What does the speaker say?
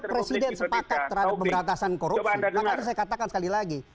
presiden sepakat terhadap pemberantasan korupsi makanya saya katakan sekali lagi